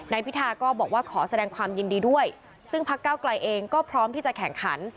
พิธาก็บอกว่าขอแสดงความยินดีด้วยซึ่งพักเก้าไกลเองก็พร้อมที่จะแข่งขัน